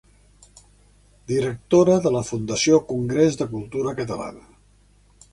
Directora de la Fundació Congrés de Cultura Catalana.